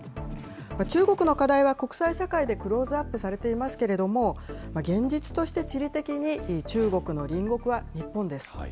中国の課題は、国際社会でクローズアップされていますけれども、現実として地理的に、中国の隣国は日本です。